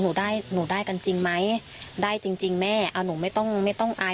หนูได้หนูได้กันจริงไหมได้จริงจริงแม่เอาหนูไม่ต้องไม่ต้องอาย